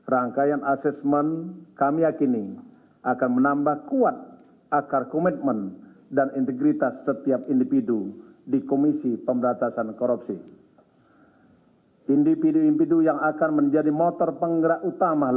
rangkaian asesmen kami yakini akan menambah kuat akar komitmen dan integritas setiap individu